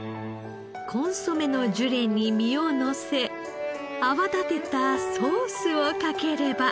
コンソメのジュレに身をのせ泡立てたソースをかければ。